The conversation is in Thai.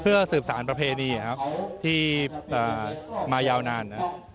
เพื่อสืบสารประเพณีครับที่มายาวนาน